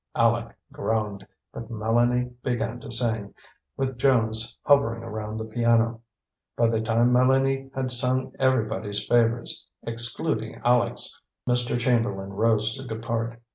Aleck groaned, but Mélanie began to sing, with Jones hovering around the piano. By the time Mélanie had sung everybody's favorites, excluding Aleck's, Mr. Chamberlain rose to depart.